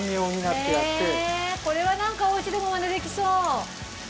へっこれはなんかおうちでもマネできそう。